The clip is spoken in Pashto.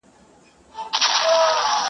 له ښاره ووزه، له نرخه ئې نه-